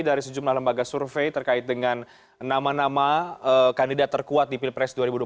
dari sejumlah lembaga survei terkait dengan nama nama kandidat terkuat di pilpres dua ribu dua puluh